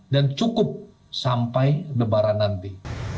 dan cukup sampai debaran nanti